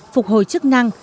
phục hồi chức năng